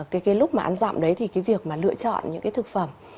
cái lúc mà ăn dặm đấy thì cái việc mà lựa chọn những cái thực phẩm